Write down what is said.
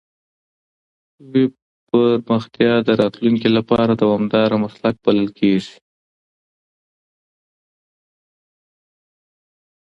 ویب پرمختیا د راتلونکي لپاره دوامدار مسلک بلل کېږي نن.